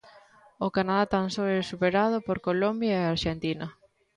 O Canadá tan só é superado por Colombia e a Arxentina.